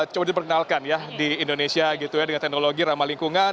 coba diperkenalkan ya di indonesia dengan teknologi ramah lingkungan